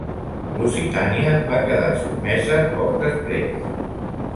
Lusitània va quedar sotmesa poc després.